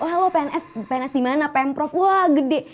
wah lo pns dimana pemprov wah gede